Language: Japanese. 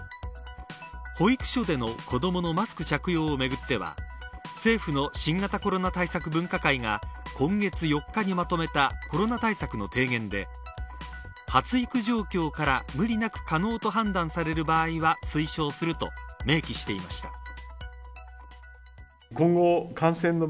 保育所での子どものマスク着用をめぐっては政府の新型コロナ対策分科会が今月４日にまとめたコロナ対策の提言で発育状況から無理なく可能と判断される場合は推奨すると明記していました。